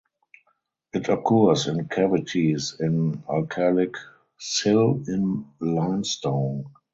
It occurs in cavities in alkalic sill in limestone.